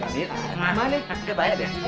coba nih baik baik deh